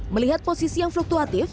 melihat posisi yang fluktuatif